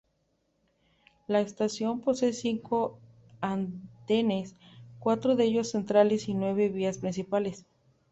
La estación posee cinco andenes, cuatro de ellos centrales y nueve vías principales.